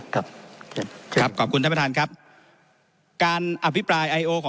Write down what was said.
ครั้งที่เป็นการอภิปาย